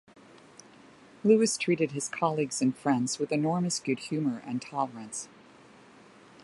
Lewis treated his colleagues and friends with enormous good humor and tolerance.